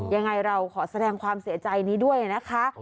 ยังไงเราขอแสดงความเสียใจนี้ด้วยนะคะ